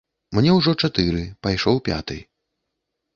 Мне ўжо чатыры, пайшоў пяты.